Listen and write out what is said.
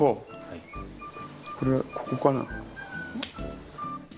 これはここかな？